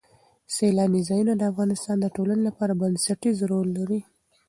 سیلانی ځایونه د افغانستان د ټولنې لپاره بنسټيز رول لري.